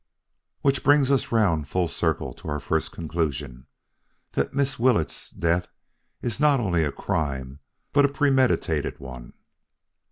"Which brings us round full circle to our first conclusion: that Miss Willetts' death is not only a crime, but a premeditated one."